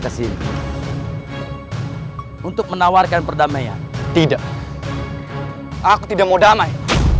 kesini untuk menawarkan perdamaian tidak aku tidak mau damai